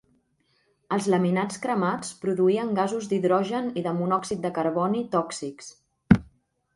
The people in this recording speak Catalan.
Els laminats cremats produïen gasos d'hidrogen i de monòxid de carboni tòxics.